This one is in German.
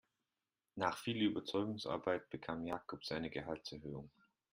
Nach viel Überzeugungsarbeit bekam Jakob seine Gehaltserhöhung.